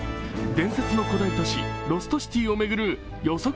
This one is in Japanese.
伝説の古代都市、ロストシティを巡る予測